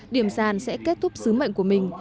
điểm sàn sẽ kết thúc sứ mệnh của mình